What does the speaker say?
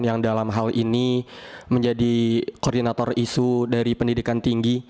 yang dalam hal ini menjadi koordinator isu dari pendidikan tinggi